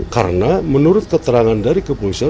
karena menurut keterangan dari kepolisian